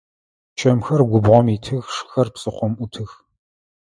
Чэмхэр губгъом итых, шыхэр псыхъом ӏутых.